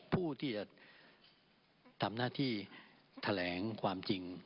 ผู้ที่จะทำหน้าที่แถลงความจริง